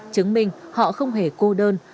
chứng minh họ không hề cô đơn